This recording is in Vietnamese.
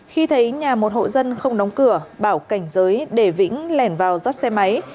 khi thấy nhà một hộ dân không đóng cửa bảo cảnh giới để vĩnh lẻn vào rót xe máy